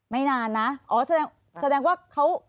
ไม่นานนะอ๋อแสดงแสดงว่าเขา